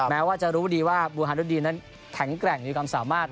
แม้ว่าจะรู้ดีว่าบูฮารุดีนั้นแข็งแกร่งมีความสามารถ